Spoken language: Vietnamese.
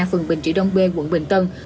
phường bình trị đông bê quận bình tân